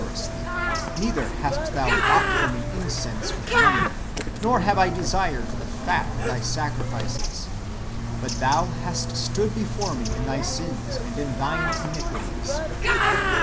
429 riously ; neither hast thou bought for me incense with money, nor have I desired the fat of thy sacrifices ; but thou hast stood before me in thy sins and in thine iniquities."